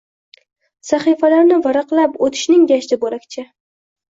Sahifalarni varaqlab o‘qishning gashti bo‘lakcha.